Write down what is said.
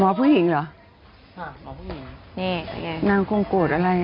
หมอผู้หญิงเหรอนางคงโกรธอะไรเนอะ